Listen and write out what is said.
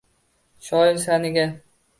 shoir sha’niga